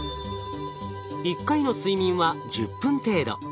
一回の睡眠は１０分程度。